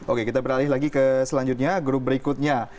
oke kita beralih lagi ke selanjutnya grup berikutnya